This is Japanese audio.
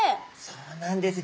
そうなんです。